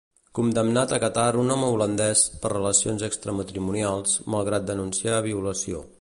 Condemnat a Catar un home holandès per relacions extramatrimonials, malgrat denunciar violació.